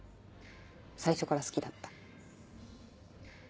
最初から好きだった。